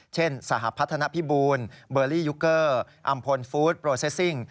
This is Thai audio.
สหพัฒนภิบูลเบอร์ลี่ยุคเกอร์อำพลฟู้ดโปรเซซิ่ง